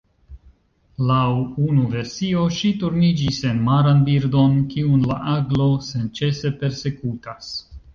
Laŭ unu versio ŝi turniĝis en maran birdon, kiun la aglo senĉese persekutas.